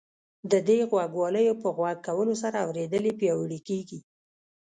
د دې غوږوالیو په غوږ کولو سره اورېدل یې پیاوړي کیږي.